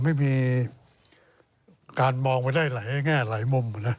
ไม่รู้จนก็ไม่เห็นตัว